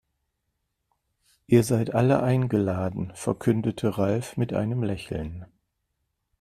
Ihr seid alle eingeladen, verkündete Ralf mit einem Lächeln.